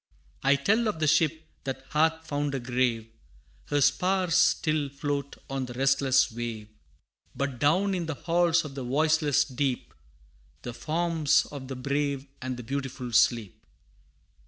I tell of the ship that hath found a grave Her spars still float on the restless wave, But down in the halls of the voiceless deep, The forms of the brave and the beautiful sleep.